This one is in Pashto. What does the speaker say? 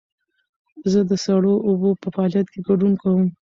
زه د سړو اوبو په فعالیت کې ګډون کوم.